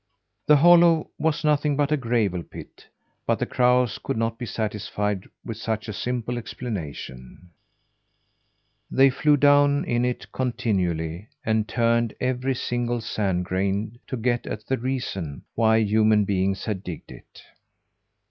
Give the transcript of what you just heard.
The hollow was nothing but a gravel pit, but the crows could not be satisfied with such a simple explanation; they flew down in it continually, and turned every single sand grain to get at the reason why human beings had digged it.